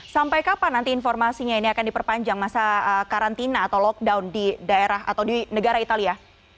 sampai kapan nanti informasinya ini akan diperpanjang masa karantina atau lockdown di daerah atau di negara italia